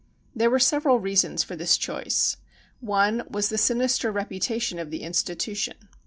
There were several reasons for this choice. One was the sinister reputation of the institution.